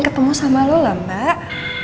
kalo gue ketemu sama lo lah mbak